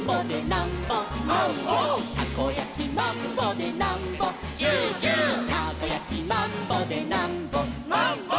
「たこやきマンボでなんぼチューチュー」「たこやきマンボでなんぼマンボ」